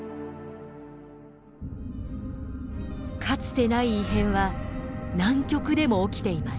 かつてない異変は南極でも起きています。